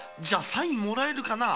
サインもらえるかな？